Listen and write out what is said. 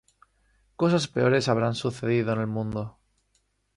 Cosas peores habrán sucedido en el mundo.